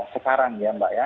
sekarang ya mbak ya